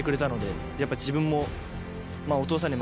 やっぱ自分も。